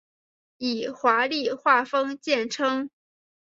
以华丽画风见称。